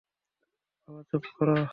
বাবা, চুপ করো।